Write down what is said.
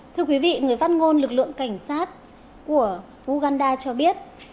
thưa quý vị người phát ngôn lực lượng cảnh sát của uganda cho biết